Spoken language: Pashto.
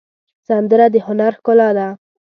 سندره د هنر ښکلا ده